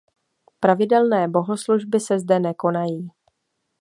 Pravidelné bohoslužby se zde nekonají.